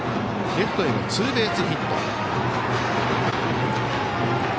レフトへのツーベースヒット。